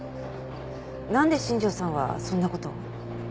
なんで新庄さんはそんな事を？